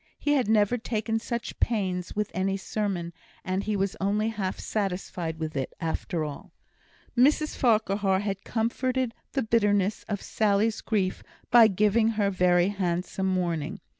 He had never taken such pains with any sermon, and he was only half satisfied with it after all. Mrs Farquhar had comforted the bitterness of Sally's grief by giving her very handsome mourning.